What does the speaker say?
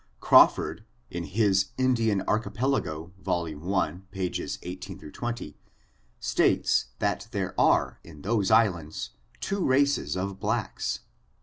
Crawford, in his Indian Archipelago, vol. i, pages 18 20, states, that there are, in those islands, two races of blacks.